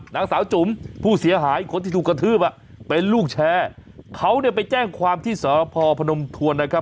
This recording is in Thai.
นางสาวจุ๋มผู้เสียหายคนที่ถูกกระทืบอ่ะเป็นลูกแชร์เขาเนี่ยไปแจ้งความที่สพพนมทวนนะครับ